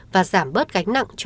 và giảm bớt gánh mạnh